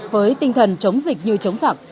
với tinh thần chống dịch như chống giặc